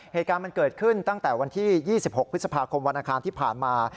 เหตุการณ์มันเกิดขึ้นตั้งแต่วันที่๒๖พฤษภาคมวันอังคารที่ผ่านมา